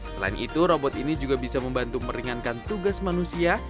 selain itu robot ini juga bisa membantu meringankan tugas manusia